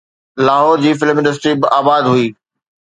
لاهور جي film industry به آباد هئي.